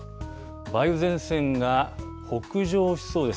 梅雨前線が北上しそうです。